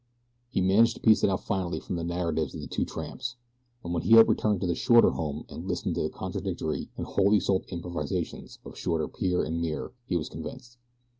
He managed to piece it out finally from the narratives of the two tramps, and when he had returned to the Shorter home and listened to the contradictory and whole souled improvisations of Shorter pere and mere he was convinced.